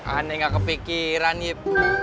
aneh nggak kepikiran yip